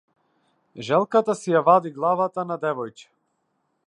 Желката си ја вади главата на девојче.